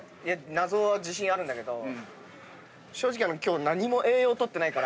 謎は自信あるんだけど正直。